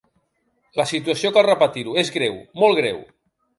La situació, cal repetir-ho, és greu, molt greu.